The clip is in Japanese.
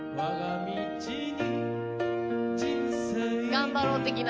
頑張ろう的な？